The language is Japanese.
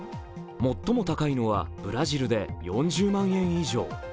最も高いのはブラジルで４０万円以上。